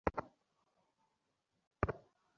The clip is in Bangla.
আমি সুখী, হ্যাঁ, সুখী, কিন্তু এখনও মনের মেঘ কাটেনি একেবারে।